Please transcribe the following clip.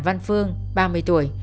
văn phương ba mươi tuổi